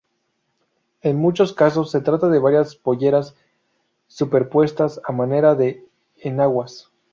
En muchos casos, se trata de varias "polleras" superpuestas, a manera de enaguas.